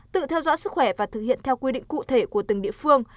tự theo dõi sức khỏe và thực hiện theo quy định cụ thể của từng địa phương